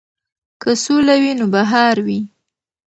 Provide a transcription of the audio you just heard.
که سوله وي نو بهار وي.